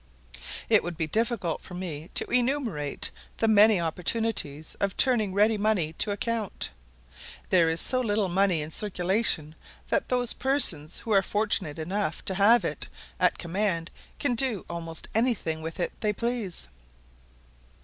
It would be difficult for me to enumerate the many opportunities of turning ready money to account. There is so little money in circulation that those persons who are fortunate enough to have it at command can do almost any thing with it they please.